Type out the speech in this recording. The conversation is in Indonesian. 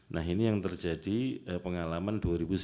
nah ini yang terjadi pengalaman dua ribu sembilan belas